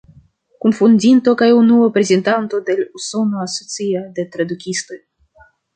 Kunfondinto kaj unua prezidanto de l' Usona Asocio de Tradukistoj.